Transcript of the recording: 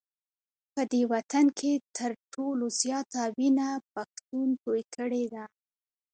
په دې وطن کي تر ټولو زیاته وینه پښتون توی کړې ده